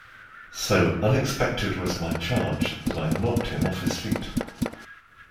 So unexpected was my charge that I knocked him off his feet.